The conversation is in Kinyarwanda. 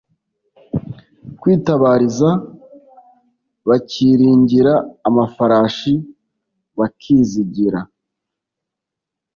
kwitabariza bakiringira amafarashi bakizigira